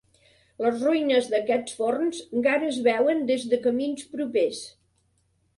Les ruïnes d'aquests forns encara es veuen des de camins propers.